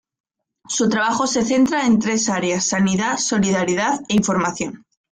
Su trabajo se centra en tres áreas: "Sanidad", "Solidaridad" e "Información".